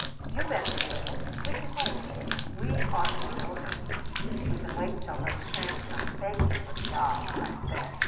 "You bet we will. We can wait. We are in no hurry. We can wait till those tramps come begging for a job," I said.